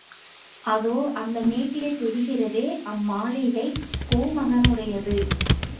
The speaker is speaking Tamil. அதோ அந்த மேட்டிலே தெரிகிறதே அம்மாளிகை.... கோமகனுடையது.